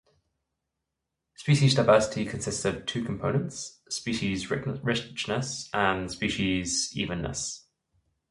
Species diversity consists of two components: species richness and species evenness.